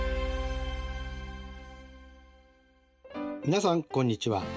皆さんこんにちは。